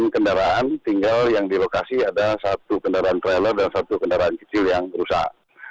sembilan kendaraan tinggal yang di lokasi ada satu kendaraan trailer dan satu kendaraan kecil yang rusak